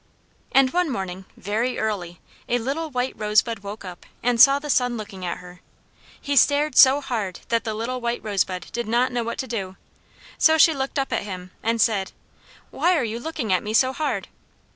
And one morning, very early, a little white rosebud woke up, and saw the sun looking at her. He stared so hard that the little white rosebud did not know what to do; so she looked up at him and said, "Why are you looking at me so hard?"